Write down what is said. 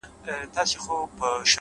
دښایستونو خدایه اور ته به مي سم نیسې ـ